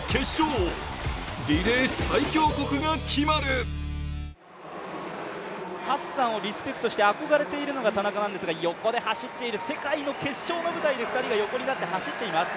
続くハッサンをリスペクトして憧れているのが田中なんですが横で走っている、世界の決勝の舞台で２人が横になって走っています。